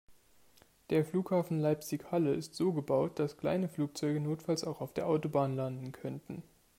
Der Flughafen Leipzig/Halle ist so gebaut, dass kleine Flugzeuge notfalls auch auf der Autobahn landen könnten.